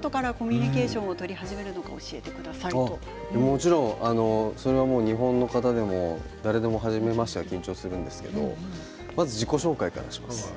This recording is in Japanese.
もちろんそれは日本の方でも誰でもはじめましては緊張しますけれどまず自己紹介からします。